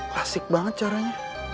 klasik banget caranya